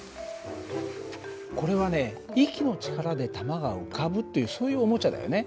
これはね息の力で球が浮かぶっていうそういうおもちゃだよね。